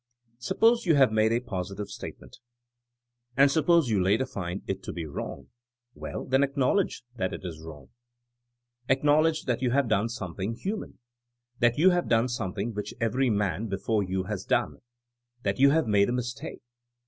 Suppose you have made a positive statement. And suppose you later find it to be wrong? Well then, acknowledge that it is wrong. Ac 126 THINEINa AS A 8CIEKCE knowledge that you have done something hu man ; that you have done something which every man before you has done ; that yon have made a mistake.